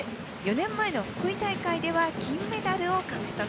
４年前の福井大会では金メダルを獲得。